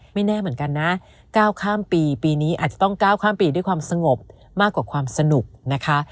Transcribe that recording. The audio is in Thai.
แน่เหมือนกันนะก้าวข้ามปีปีนี้อาจจะต้องก้าวข้ามปีด้วยความสงบมากกว่าความสนุกนะคะ